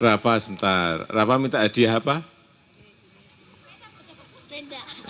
rafa sebentar rafa minta hadiah apa